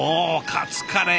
カツカレー。